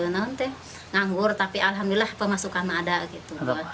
nanti nganggur tapi alhamdulillah pemasukan ada gitu